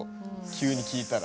急に聞いたら。